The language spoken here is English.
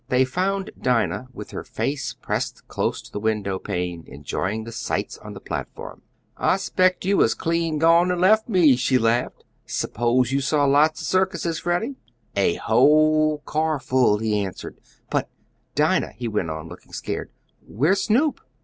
They found Dinah with her face pressed close to the window pane, enjoying the sights on the platform. "I specked you was clean gone and left me," she laughed. "S'pose you saw lots of circuses, Freddie?" "A whole carful," he answered, "but, Dinah," he went on, looking scared, "where's Snoop?"